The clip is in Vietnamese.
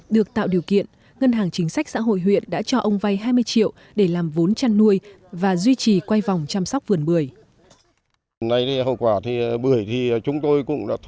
được tạo điều kiện ngân hàng chính sách xã hội huyện đã cho ông vay hai mươi triệu để làm vốn chăn nuôi và duy trì quay vòng chăm sóc vườn bưởi